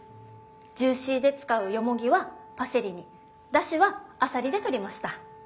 ジューシーで使うヨモギはパセリに出汁はアサリでとりました。